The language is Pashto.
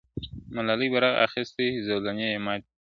ملالۍ بیرغ اخیستی زولنې یې ماتي کړي !.